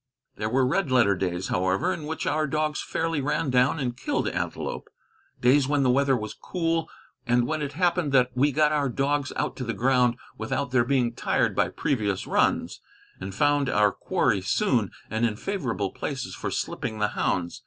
There were red letter days, however, in which our dogs fairly ran down and killed antelope, days when the weather was cool, and when it happened that we got our dogs out to the ground without their being tired by previous runs, and found our quarry soon, and in favorable places for slipping the hounds.